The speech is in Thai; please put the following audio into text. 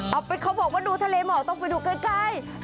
เอาเป็นเขาบอกว่าดูทะเลหมอกต้องไปดูใกล้